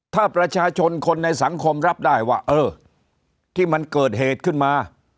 ถ้าประชาชนคนในสังคมรับได้ว่าเออที่มันเกิดเหตุขึ้นมา